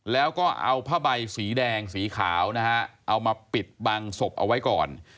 แล้วก็เอาผ้าใบสีแดงสีขาวนะฮะเอามาปิดบังศพเอาไว้ก่อน